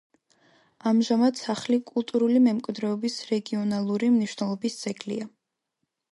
ამჟამად სახლი კულტურული მემკვიდრეობის რეგიონალური მნიშვნელობის ძეგლია.